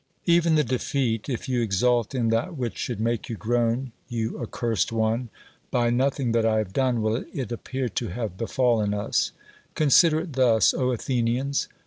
Even the defeat — if you exult in that which should make you groan, you accursed one !— by nothing that I have done will it appear to have befallen us. Consider it thus, Athenians.